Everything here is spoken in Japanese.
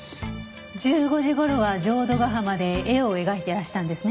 １５時頃は浄土ヶ浜で絵を描いてらしたんですね。